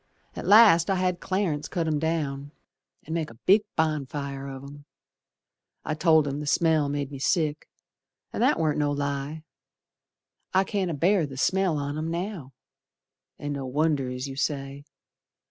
At last I had Clarence cut 'em down An' make a big bonfire of 'em. I told him the smell made me sick, An' that warn't no lie, I can't abear the smell on 'em now; An' no wonder, es you say.